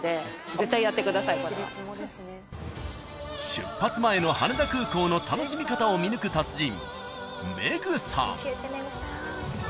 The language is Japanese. ［出発前の羽田空港の楽しみ方を見抜く達人］